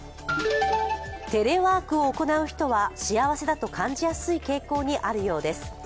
テレワークを行う人は幸せだと感じやすい傾向にあるようです。